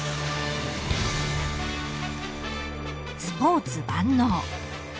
［スポーツ万能］